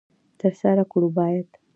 تر سره کړو باید.